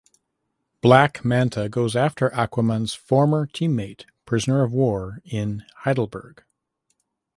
Black Manta goes after Aquaman's former teammate Prisoner-of-War in Heidelberg.